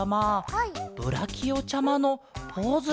おっブラキオちゃまのポーズ？